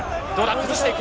崩していく。